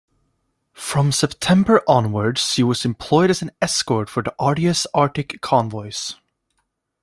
From September onward, she was employed as an escort for the arduous Arctic Convoys.